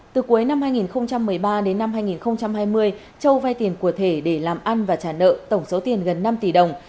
từ cuối năm hai nghìn một mươi ba đến năm hai nghìn hai mươi châu vay tiền của thể để làm ăn và trả nợ tổng số tiền gần năm tỷ đồng